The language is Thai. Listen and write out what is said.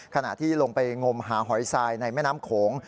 ขณะที่ลงไปงมหาหอยทรายในแม่น้ำโขง